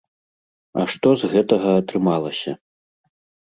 А што з гэтага атрымалася?